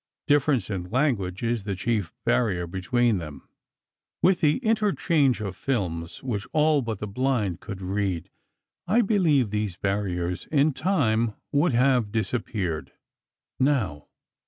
Difference in language is the chief barrier between them. With the interchange of films, which all but the blind could read, I believe these barriers, in time would have disappeared. Now